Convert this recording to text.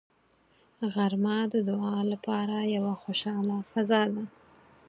غرمه د دعا لپاره یوه خوشاله فضا ده